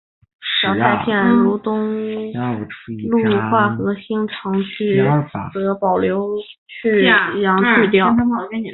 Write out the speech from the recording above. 与泰兴同属如泰小片的如东东路话和兴化城区则保留有阳去调。